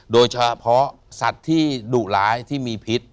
โดยเฉพาะสัตว์ที่ดุร้ายที่มีพิษ